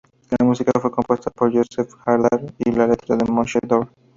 La música fue compuesta por Yosef Hadar y la letra por Moshe Dor.